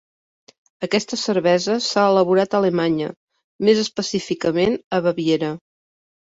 Aquesta cervesa s'ha elaborat a Alemanya, més específicament a Baviera.